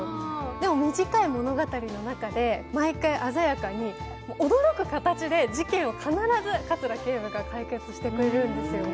でも、短い物語の中で毎回鮮やかに驚く形で事件を必ず葛警部が解決してくれるんですよ。